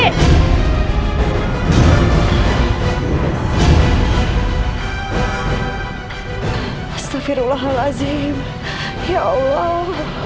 astagfirullahaladzim ya allah